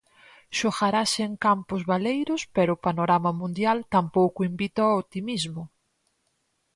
Xogarase en campos baleiros pero o panorama mundial tampouco invita ao optimismo.